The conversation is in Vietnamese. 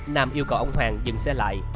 nam yêu cầu ông hoàng dừng xe lại